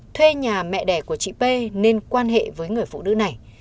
thuê nhà mẹ đẻ của chị pê nên quan hệ với anh hát